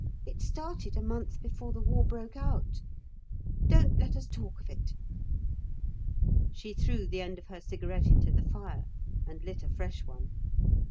It started a month before the war broke out. Don't let us talk of it." She threw the end of her cigarette into the fire and lit a fresh one.